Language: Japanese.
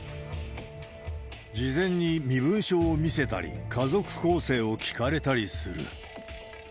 事前に身分証を見せたり、家族構成を聞かれたりする。